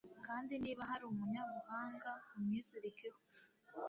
kandi niba hari umunyabuhanga, umwizirikeho